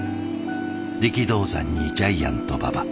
力道山にジャイアント馬場。